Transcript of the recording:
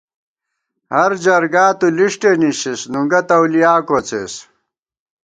ہر جرگا تُو لِݭٹےنِشِس ، نُونگہ تولیا کوڅېس